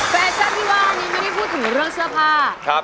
แฟชั่นที่ว่านี้ไม่ได้พูดถึงเรื่องเสื้อผ้า